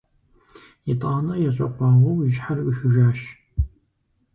ИтӀанэ ещӀэкъуауэу и щхьэр Ӏуихыжащ.